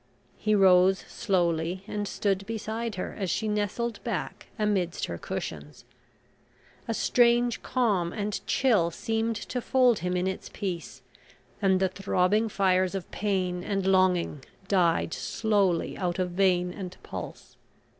He rose slowly and stood beside her, as she nestled back amidst her cushions. A strange calm and chill seemed to fold him in its peace, and the throbbing fires of pain and longing died slowly out of vein and pulse.